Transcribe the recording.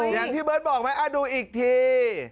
อย่างที่เบิร์ตบอกไหมดูอีกที